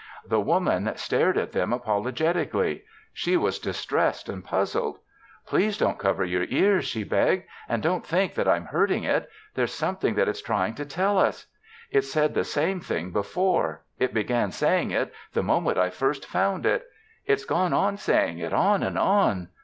The Woman stared at them apologetically. She was distressed and puzzled. "Please don't cover your ears," she begged. "And don't think that I'm hurting it. There's something that it's trying to tell us. It's said the same thing before. It began saying it the moment I first found it. It's gone on saying it, on and on....